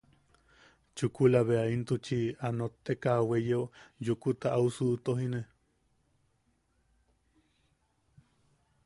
Chukula bea intuchi a notteka a weyeo, yukuta au suʼutojine.